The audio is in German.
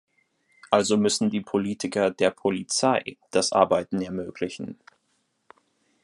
Also müssen die Politiker der Polizei das Arbeiten ermöglichen.